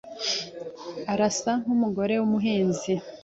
Arasa nkumugore wumuhinzi.